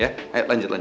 ya ayo lanjut lanjut